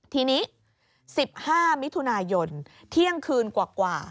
ทีนี้๑๕มิถุนายนเที่ยงคืนกว่า